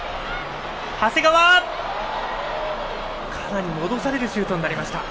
かなり戻されるシュートになりました。